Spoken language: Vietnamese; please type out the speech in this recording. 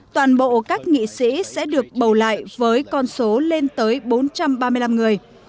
toàn bộ các nghị sĩ sẽ được bầu lại với con số lên tới bốn trăm ba mươi năm người